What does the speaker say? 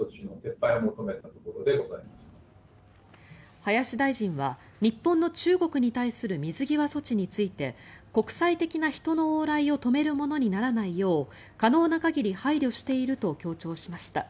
林大臣は、日本の中国に対する水際措置について国際的な人の往来を止めるものにならないよう可能な限り配慮していると強調しました。